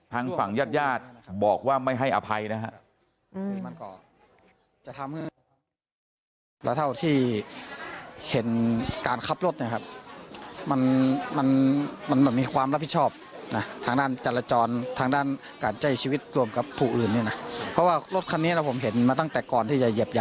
ทางฝั่งญาติญาติบอกว่าไม่ให้อภัยนะครับ